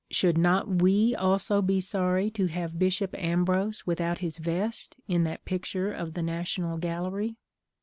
Should not we also be sorry to have Bishop Ambrose without his vest, in that picture of the National Gallery?